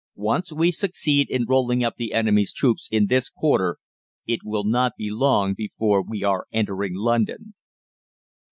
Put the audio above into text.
Once we succeed in rolling up the enemy's troops in this quarter, it will not be long before we are entering London."